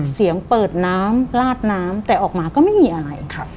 เสียงเปิดน้ำลาดน้ำแต่ออกมาก็ไม่มีอะไร